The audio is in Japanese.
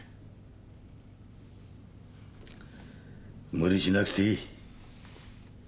無理しなくていい。